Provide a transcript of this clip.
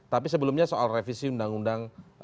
tapi sebelumnya soal revisi undang undang